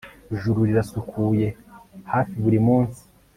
Ijuru rirasukuye hafi buri munsi